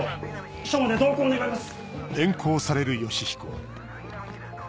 署まで同行願います。